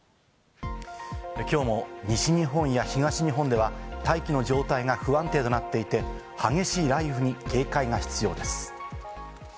今日も西日本や東日本では大気の状態が不安定となっていて、激しい雷雨に警戒が必要です。